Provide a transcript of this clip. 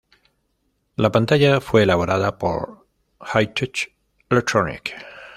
La pantalla fue elaborada por Hi Tech Electronics.